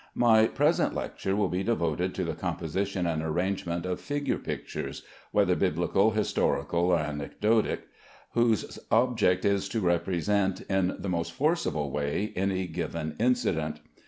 My present lecture will be devoted to the composition and arrangement of figure pictures, whether Biblical, historical, or anecdotic, whose object is to represent in the most forcible way any given incident.